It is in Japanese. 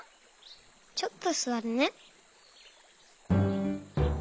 ちょっとすわるね。